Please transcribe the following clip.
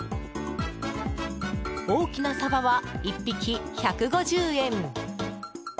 大きなサバは１匹１５０円。